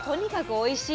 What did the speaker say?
おいしい。